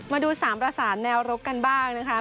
มาดู๓ประสานแนวรบกันบ้างนะคะ